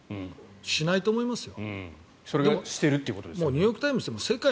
しないと思いますよ。